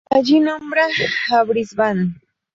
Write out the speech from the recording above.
Allí nombra a Brisbane.